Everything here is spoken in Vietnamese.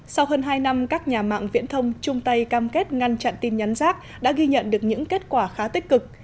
sau hơn hai năm các nhà mạng viễn thông chung tay cam kết ngăn chặn tin nhắn rác đã ghi nhận được những kết quả khá tích cực